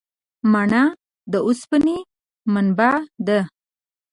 مڼه د اوسپنې منبع ده.